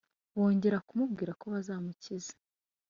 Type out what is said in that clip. bongera kumubwira ko bazamukiza,